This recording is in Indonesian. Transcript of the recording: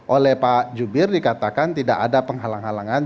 oleh pak jubir dikatakan tidak ada penghalang halangan